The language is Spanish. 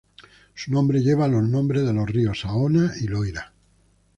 Su nombre lleva los nombres de los ríos Saona y Loira.